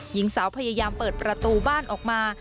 หญิงสาวพยายามเปิดประตูบ้านออกมา